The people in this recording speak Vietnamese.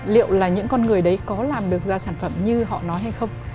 liệu là những con người đấy có làm được ra sản phẩm như họ nói hay không